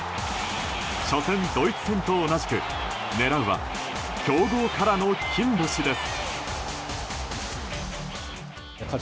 初戦ドイツ戦と同じく狙うは強豪からの金星です。